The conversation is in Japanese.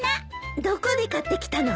どこで買ってきたの？